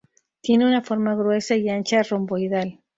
Tiene una forma gruesa y ancha, romboidal.